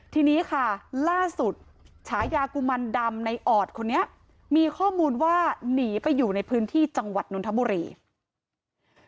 ทีนี้ค่ะล่าสุดฉายากุมันดำในออดคนนี้มีข้อมูลว่าหนีไปอยู่ในพื้นที่จังหวัดนนทบุรี